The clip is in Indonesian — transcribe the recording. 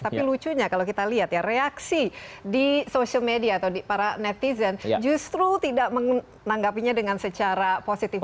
tapi lucunya kalau kita lihat ya reaksi di social media atau di para netizen justru tidak menanggapinya dengan secara positif